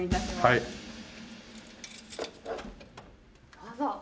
どうぞ。